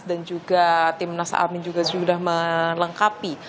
dan juga tim nas amin juga sudah melengkapi